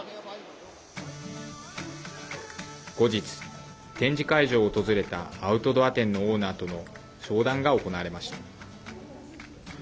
後日、展示会場を訪れたアウトドア店のオーナーとの商談が行われました。